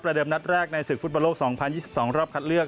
เดิมนัดแรกในศึกฟุตบอลโลก๒๐๒๒รอบคัดเลือก